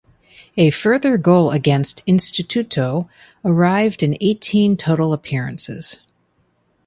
A further goal against Instituto arrived in eighteen total appearances.